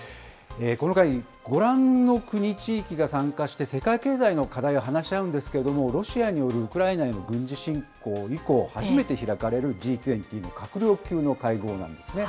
この会議、ご覧の国・地域が参加して世界経済の課題を話し合うんですけれども、ロシアによるウクライナへの軍事侵攻以降、初めて開かれるＧ２０の閣僚級の会合なんですね。